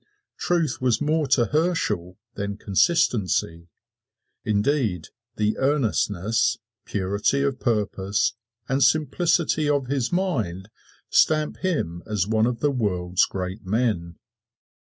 Truth was more to Herschel than consistency. Indeed, the earnestness, purity of purpose, and simplicity of his mind stamp him as one of the world's great men.